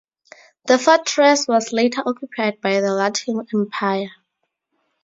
The fortress was later occupied by the Latin Empire.